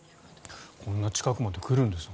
こんな近くまで来るんですね